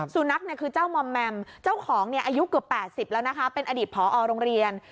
สุนัขเนี่ยคือเจ้ามอมแมมเจ้าของเนี่ยอายุเกือบ๘๐แล้วนะคะเป็นอดีตผอโรงเรียน